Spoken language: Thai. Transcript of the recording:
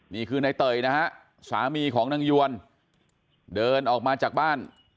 นี่คือในเตยนะฮะสามีของนางยวนเดินออกมาจากบ้าน